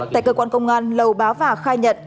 tại cơ quan công an lầu bá và khai nhận